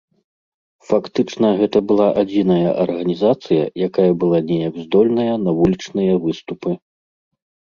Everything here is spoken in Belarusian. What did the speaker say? Фактычна гэта была адзіная арганізацыя, якая была неяк здольная на вулічныя выступы.